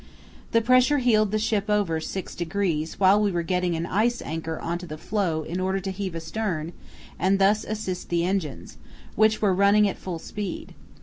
The pressure heeled the ship over six degrees while we were getting an ice anchor on to the floe in order to heave astern and thus assist the engines, which were running at full speed.